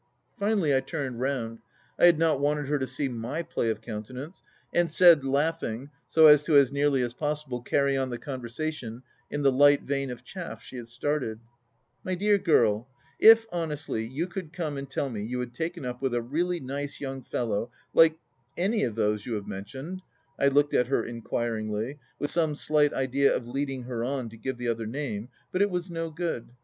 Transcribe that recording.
Finally, I turned round — I had not wanted her to see my play of countenance — and said, laughing, so as to as nearly as possible carry on the conversation in the light vein of chaff she had started :" My dear girl, if, honestly, you could come and tell me you had taken up with a really nice young fellow like any of those you have mentioned "— I looked at her inquiringly, with some slight idea of leading her on to give the other name, but it was no good.